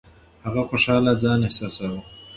هغه خوشاله ځان احساساوه.